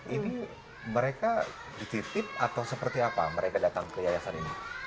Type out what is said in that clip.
ini mereka dititip atau seperti apa mereka datang ke yayasan ini